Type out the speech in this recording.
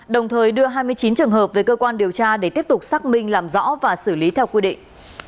đồng thời đưa hai mươi chín trường hợp về cơ quan điều tra để tiếp tục xác minh làm rõ và xử lý theo quy định